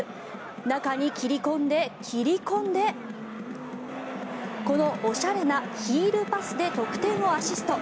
中に切り込んで、切り込んでこのおしゃれなヒールパスで得点をアシスト。